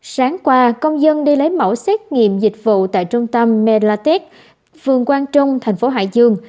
sáng qua công dân đi lấy mẫu xét nghiệm dịch vụ tại trung tâm melatech phường quang trung thành phố hải dương